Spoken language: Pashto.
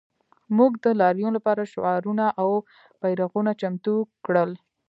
موږ د لاریون لپاره شعارونه او بیرغونه چمتو کړل